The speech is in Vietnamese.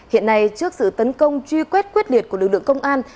hiện nay trước sự tấn công truy quét quyết liệt của lực lượng công an